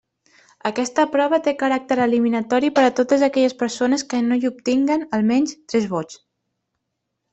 Aquesta prova té caràcter eliminatori per a totes aquelles persones que no hi obtinguen, almenys, tres vots.